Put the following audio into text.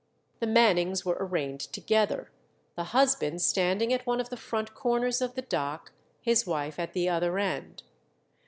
The Mannings were arraigned together; the husband standing at one of the front corners of the dock, his wife at the other end.